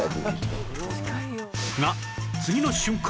が次の瞬間！